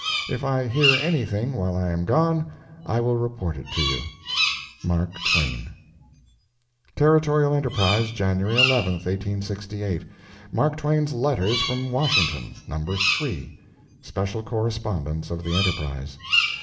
If I hear anything while I am gone I will report it to you. MARK TWAIN. Territorial Enterprise, January 11, 1868 MARK TWAIN'S LETTERS FROM WASHINGTON. NUMBER III. (SPECIAL CORRESPONDENCE OF THE ENTERPRISE.)